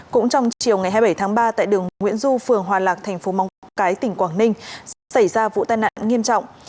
cũng trong chiều ngày hai mươi bảy tháng ba tại đường nguyễn du phường hòa lạc thành phố móng cái tỉnh quảng ninh xảy ra vụ tai nạn nghiêm trọng